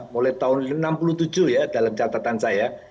mulai tahun seribu sembilan ratus enam puluh tujuh ya dalam catatan saya